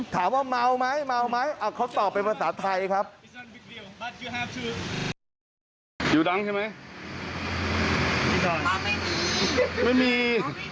ถามว่าเมาไหมจะมี